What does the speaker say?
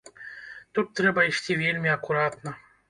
Тут трэба ісці вельмі акуратна.